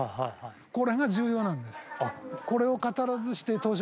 これが重要なんです。